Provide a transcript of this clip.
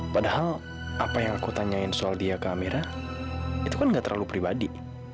padahal apa yang aku tanyakan soal dia ke amira itu kan tidak terlalu pribadi